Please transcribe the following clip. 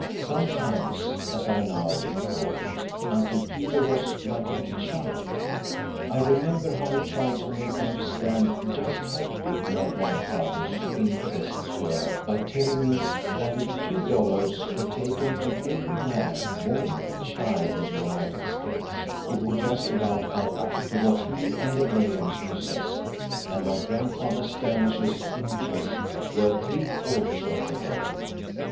Sometimes, as I now recall it, Uncle Peter was like a little child. I remember how he tried to make me understand just how big my grandfather's interests were by telling me that if two dollars were taken from every man, woman, and child in the United States, it would just about add up to what he and the Grahams possessed, and my Grandfather Standish's interests were three quarters of the whole.